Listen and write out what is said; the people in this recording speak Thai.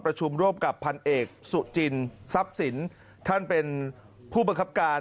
ร่วมกับพันเอกสุจินทรัพย์สินท่านเป็นผู้บังคับการ